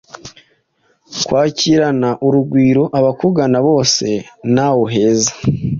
Kwakirana urugwiro abakugana bose ntawuheza.